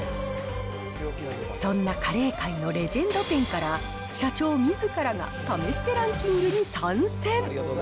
そんなカレー界のレジェンド店から、社長みずからが試してランキングに参戦。